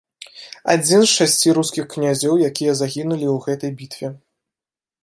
Адзін з шасці рускіх князёў, якія загінулі ў гэтай бітве.